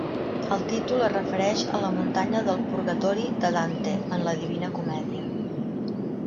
El títol es refereix a la muntanya del Purgatori de Dante en La Divina Comèdia.